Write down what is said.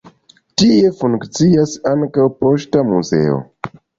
Tie funkcias ankaŭ Poŝta Muzeo.